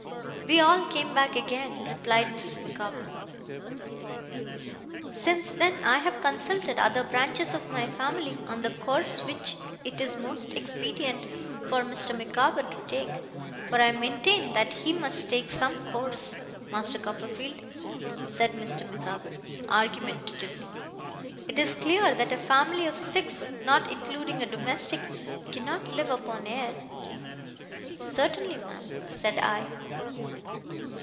'We all came back again,' replied Mrs. Micawber. 'Since then, I have consulted other branches of my family on the course which it is most expedient for Mr. Micawber to take for I maintain that he must take some course, Master Copperfield,' said Mrs. Micawber, argumentatively. 'It is clear that a family of six, not including a domestic, cannot live upon air.' 'Certainly, ma'am,' said I.